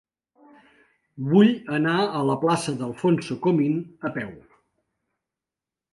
Vull anar a la plaça d'Alfonso Comín a peu.